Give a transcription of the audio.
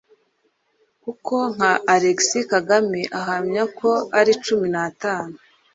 kuko nka Alexis Kagame ahamya ko ari cumu natanu.